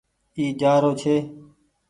اي جآرو ڇي۔